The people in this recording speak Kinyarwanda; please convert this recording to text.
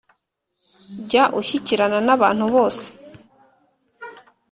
Jya ushyikirana n ‘abantu bose.